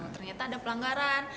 ternyata ada pelanggaran